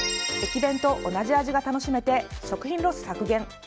駅弁と同じ味が楽しめて食品ロス削減。